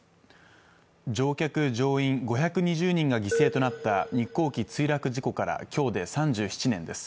乗客乗員５２０人が犠牲となった日航機墜落事故から今日で３７年です